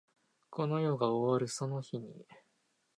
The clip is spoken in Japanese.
この世が終わるその日に